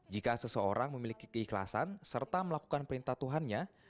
jika seseorang memiliki keikhlasan serta melakukan perintah tuhannya